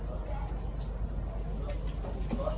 สวัสดีครับทุกคน